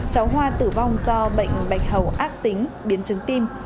cháu hoa tử vong do bệnh bạch hầu ác tính biến chứng tim